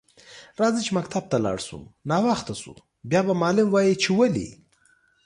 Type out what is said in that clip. راځه چی مکتب ته لاړ شو ناوخته شو بیا به معلم وایی چی ولی